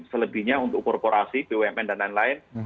selebihnya untuk korporasi bumn dan lain lain